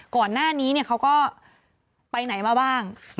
ก่อนหน้านี้เขาก็ไปไหนมาบ้าง